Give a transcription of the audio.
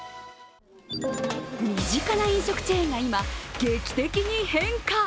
身近な飲食チェーンが今、劇的に変化。